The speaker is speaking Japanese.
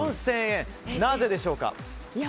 なぜでしょうか？